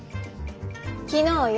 昨日よ。